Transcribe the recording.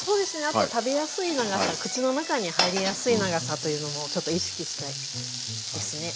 あと食べやすい長さ口の中に入りやすい長さというのもちょっと意識したいですね。